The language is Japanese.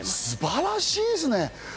素晴らしいですね。